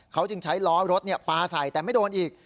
เขาจึงใช้ล้อรถปลาใส่แต่ไม่โดนอีก